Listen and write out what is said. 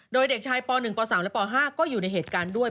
โดยเด็กชายป๑ป๓และป๕ก็อยู่ในเหตุการณ์ด้วย